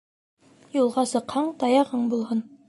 Юлға сыҡһаң, таяғың булһын.